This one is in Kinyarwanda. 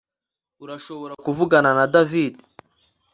Urashobora kuvugana na David